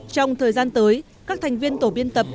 trong thời gian tới các thành viên tổ biên tập